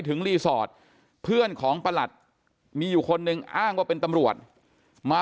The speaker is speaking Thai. ถึงรีสอร์ทเพื่อนของประหลัดมีอยู่คนหนึ่งอ้างว่าเป็นตำรวจมา